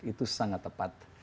itu sangat tepat